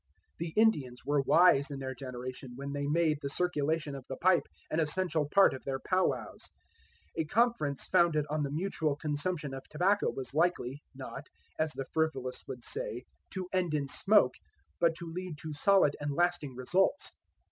The Indians were wise in their generation when they made the circulation of the pipe an essential part of their pow wows. A conference founded on the mutual consumption of tobacco was likely, not, as the frivolous would say, to end in smoke, but to lead to solid and lasting results.